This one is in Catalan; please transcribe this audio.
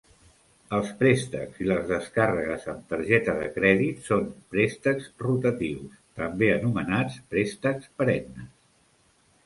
Els préstecs i les descàrregues amb targeta de crèdit són préstecs rotatius, també anomenats préstecs perennes.